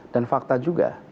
dan fakta juga